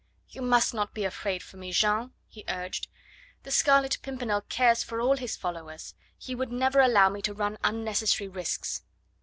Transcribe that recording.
"You must not be afraid for me, Jeanne," he urged. "The Scarlet Pimpernel cares for all his followers; he would never allow me to run unnecessary risks."